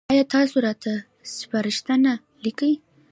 ایا تاسو راته سپارښتنه لیکئ؟